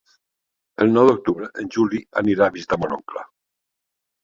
El nou d'octubre en Juli anirà a visitar mon oncle.